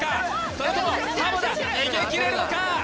それとも田逃げ切れるのか？